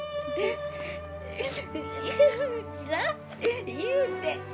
うちな言うてん。